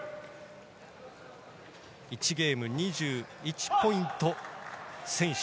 １ゲーム２１ポイント先取。